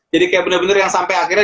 kayak bener bener yang sampai akhirnya